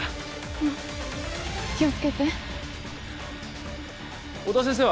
うん気をつけて音羽先生は？